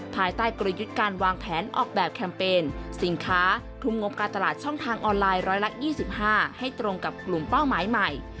ภายใต้กลยุทธ์การวางแผนออกแบบแคมเปญสินค้าทุ่มงบการตลาดช่องทางออนไลน์๑๒๕ให้ตรงกับกลุ่มเป้าหมายใหม่